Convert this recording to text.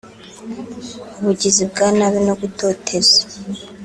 ubugizi bwa nabi no gutoteza